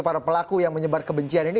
para pelaku yang menyebar kebencian ini